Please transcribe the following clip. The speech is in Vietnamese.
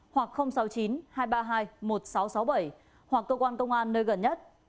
hoặc cơ quan công an nơi gần nhất